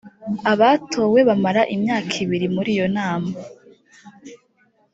abatowe bamara imyaka ibiri muri iyo nama